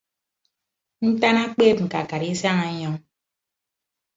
Ntan ekpeep ñkakat isañ ọnyọñ.